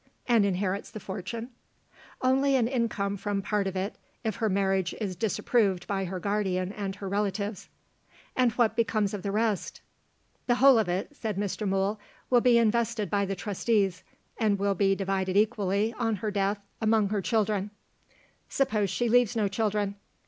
"And inherits the fortune?" "Only an income from part of it if her marriage is disapproved by her guardian and her relatives." "And what becomes of the rest?" "The whole of it," said Mr. Mool, "will be invested by the Trustees, and will be divided equally, on her death, among her children." "Suppose she leaves no children?"